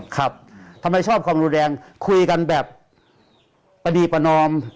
ครับทำไมชอบความรุนแรงคุยกันแบบประดีประนอม